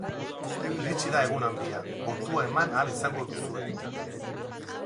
Iritsi da egun handia, botua eman ahal izango duzue.